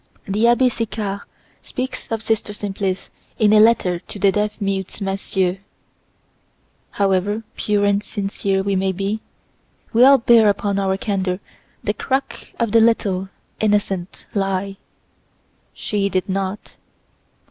The Abbé Sicard speaks of Sister Simplice in a letter to the deaf mute Massieu. However pure and sincere we may be, we all bear upon our candor the crack of the little, innocent lie. She did not.